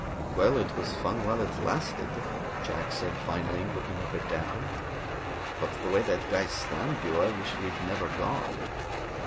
"Well, it was fun while it lasted," Jack said finally, looking up at Dal. "But the way that guy slammed you, I wish we'd never gone."